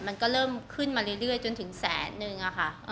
มันก็เริ่มขึ้นมาเรื่อยจนถึงแสนนึงอะค่ะ